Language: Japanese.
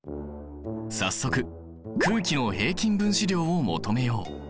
早速空気の平均分子量を求めよう！